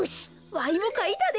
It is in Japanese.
わいもかいたで。